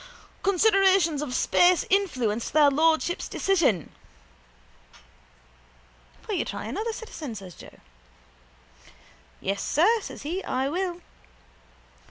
—Considerations of space influenced their lordships' decision. —Will you try another, citizen? says Joe. —Yes, sir, says he. I will.